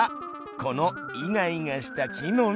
このイガイガした木の実。